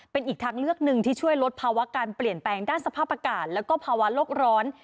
เป็นอีกทางเลือกหนึ่งที่ช่วยลดภาวะการเปลี่ยนแปลงด้านสภาพอากาศแล้วก็ภาวะโลกร้อน